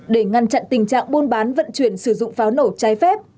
để ngăn chặn tình trạng buôn bán vận chuyển sử dụng pháo nổ trái phép